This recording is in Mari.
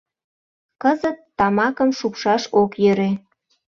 Кызыт тамакым шупшаш ок йӧрӧ.